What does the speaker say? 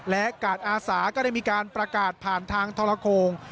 และกาดอาสาก็ได้มีการประกาศผ่านทางทรโคง